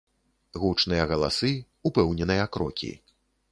Гучныя галасы, упэўненыя крокі.